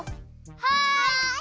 はい！